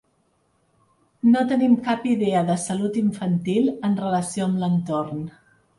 No tenim cap idea de salut infantil en relació amb l’entorn.